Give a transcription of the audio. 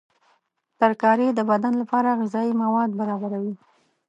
ترکاري د بدن لپاره غذایي مواد برابروي.